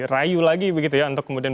rayu lagi begitu ya untuk kemudian